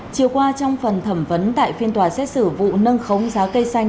chiều qua trong phần thẩm vấn tại phiên tòa xét xử vụ nâng khống giá cây xanh